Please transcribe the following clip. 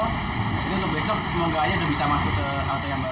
untuk besok semoga saja bisa masuk ke halte yang baru